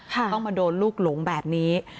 ต้องมาโดนลูกหลงแบบนี้